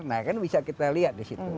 nah kan bisa kita lihat di situ